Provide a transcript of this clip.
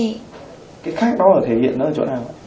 cái khác bao giờ thể hiện nó ở chỗ nào ạ